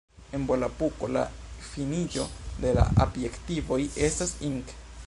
En Volapuko la finiĝo de la adjektivoj estas "-ik".